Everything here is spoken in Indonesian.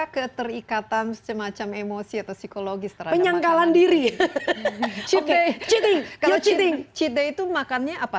keterikatan semacam emosi atau psikologi penyangkalan diri cheat day itu makannya apa